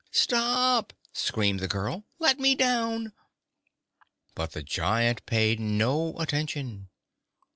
"Stop!" screamed the girl. "Let me down!" But the giant paid no attention.